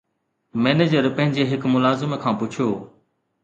manager پنهنجي هڪ ملازم کان پڇيو